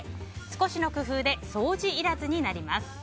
少しの工夫で掃除いらずになります。